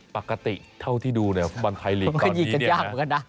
ปกติเท่าที่ดูเนี่ยบางคลายลีกตอนนี้เนี่ยนะ